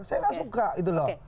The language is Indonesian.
saya gak suka itu loh